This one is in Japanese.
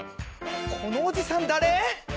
このおじさん誰？